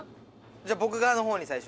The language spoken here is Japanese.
じゃあ僕側の方に最初。